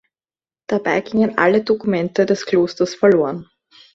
Dabei gingen alle Dokumente des Klosters verloren.